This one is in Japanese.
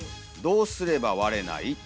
どうすれば割れない？」。